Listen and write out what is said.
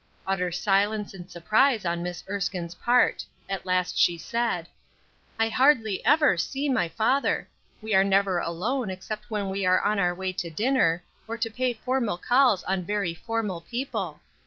Utter silence and surprise on Miss Erskine's part. At last she said: "I hardly ever see my father; we are never alone except when we are on our way to dinner, or to pay formal calls on very formal people.